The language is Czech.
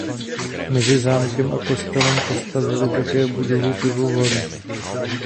Mezi zámkem a kostelem postavili také budovu pivovaru.